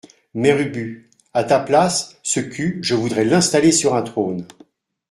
Mère Ubu A ta place, ce cul, je voudrais l’installer sur un trône.